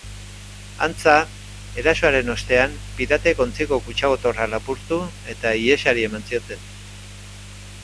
Antza, erasoaren ostean piratek ontziko kutxa gotorra lapurtu eta ihesari eman zioten.